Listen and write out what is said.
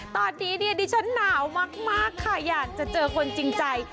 ตอนนี้เนี่ยดิฉันหนาวมากค่ะอยากจะเจอคนจริงใจ